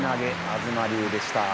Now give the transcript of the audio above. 東龍でした。